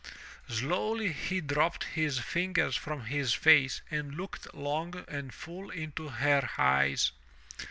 Slowly he dropped his fingers from his face and looked long and full into her eyes.